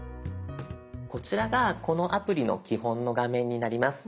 こちらがこのアプリの基本の画面になります。